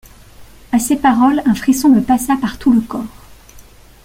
À ces paroles un frisson me passa par tout le corps.